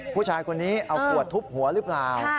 ผู้ชายคนนี้เอาขวดทุบหัวหรือเปล่า